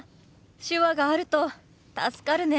手話があると助かるね。